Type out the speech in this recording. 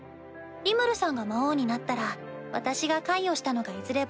リムルさんが魔王になったら私が関与したのがいずれ